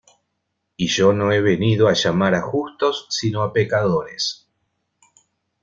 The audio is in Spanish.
Y yo no he venido a llamar a justos, sino a pecadores.